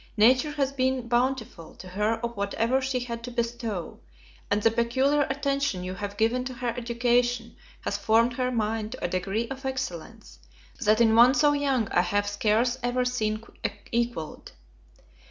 Nature has been bountiful to her of whatever she had to bestow; and the peculiar attention you have given to her education, has formed her mind to a degree of excellence, that in one so young I have scarce ever seen equalled.